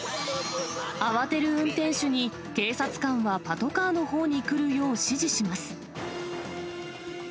慌てる運転手に、警察官はパトカーのほうに来るよう指示します。